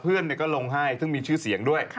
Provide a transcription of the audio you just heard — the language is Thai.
เพื่อนก็ลงให้ซึ่งมีชื่อเสียงด้วย